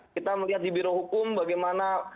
kita melihat di biro hukum bagaimana